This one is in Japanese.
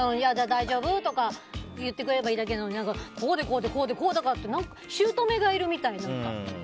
大丈夫？とか言ってくれればいいだけなのにこうでこうでこうだからってしゅうとめがいるみたい。